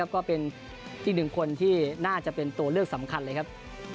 ก็เป็นอีกหนึ่งคนที่น่าจะเป็นตัวเลือกสำคัญเลยครับ